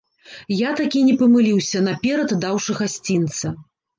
Я такі не памыліўся, наперад даўшы гасцінца.